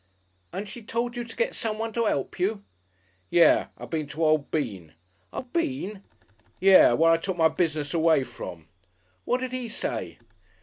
'" "And she told you to get someone to 'elp you?" "Yes. I been to old Bean." "O' Bean?" "Yes. What I took my business away from!" "What did he say?"